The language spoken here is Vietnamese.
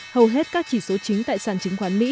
hầu hết các chỉ số chính tại sàn chứng khoán mỹ